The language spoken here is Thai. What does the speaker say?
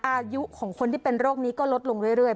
อายุของคนที่เป็นโรคนี้ก็ลดลงเรื่อย